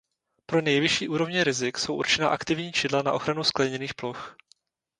Pro nejvyšší úrovně rizik jsou určena aktivní čidla na ochranu skleněných ploch.